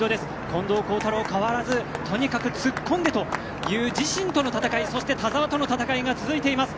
近藤幸太郎、変わらずとにかく突っ込んでという自身との戦いそして田澤との戦いが続いています。